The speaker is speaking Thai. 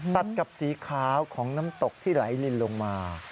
ตัดกับสีขาวของน้ำตกที่ไหลลินลงมา